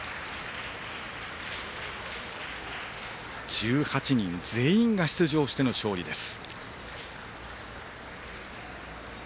１８人全員が出場しての勝利です。